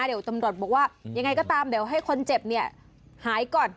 เดี๋ยวตำรวจบอกว่ายังไงก็ตามเดี๋ยวให้คนเจ็บเนี่ยหายก่อน